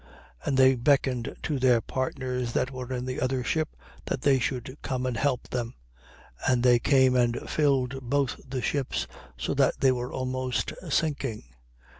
5:7. And they beckoned to their partners that were in the other ship, that they should come and help them. And they came and filled both the ships, so that they were almost sinking.